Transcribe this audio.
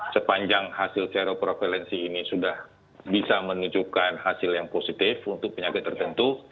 sepanjang hasil seroprovalensi ini sudah bisa menunjukkan hasil yang positif untuk penyakit tertentu